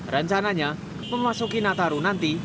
rencananya memasuki nataru nanti